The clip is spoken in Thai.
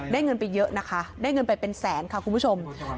เงินไปเยอะนะคะได้เงินไปเป็นแสนค่ะคุณผู้ชม